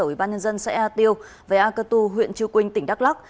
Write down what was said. ủy ban nhân dân xã ea tiêu về akatu huyện chư quynh tỉnh đắk lắc